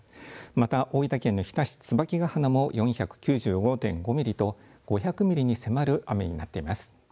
また大分県の日田市椿ヶ鼻も４９５．５ミリと５００ミリに迫る雨になっています。